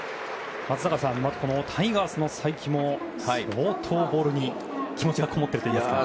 松坂さん、タイガースの才木も相当、ボールに気持ちがこもっているといいますか。